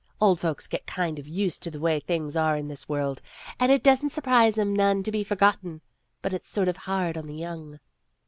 Old folks get kind of used to the way things are in this world, and it doesn't surprise 'em none to be forgotten. But it's sort of hard on the young.